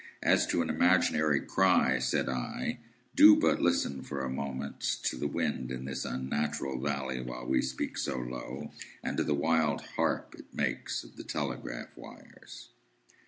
"As to an imaginary cry," said I, "do but listen for a moment to the wind in this unnatural valley while we speak so low, and to the wild harp it makes of the telegraph wires."